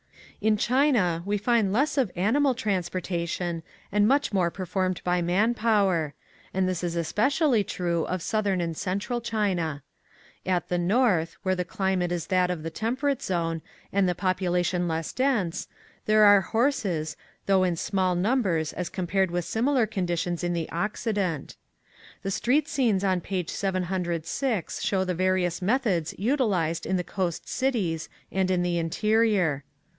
In China we find less of animal trans portation and much more performed by man power, and this is especially true of Southern and Central China. At the north; where the climate is that of the 702 The National Geographic Magazinf. Tagalog Boys Carrying Vegetables to Manila temperate zone and the population less dense, there are horses, though in small numbers as compared with similar con ditions in the Occident. The street scenes on page 706 show the various methods utilized in the coast cities and the interior.